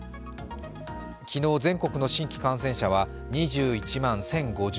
昨日全国の新規感染者は２１万１０５８人。